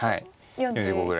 ４５ぐらい。